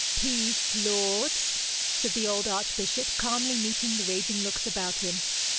'Peace, lords!' said the old archbishop, calmly meeting the raging looks about him.